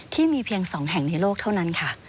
ที่มีเพียงสองแห่งในโลกเท่านั้นค่ะ